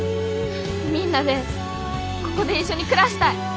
みんなでここで一緒に暮らしたい！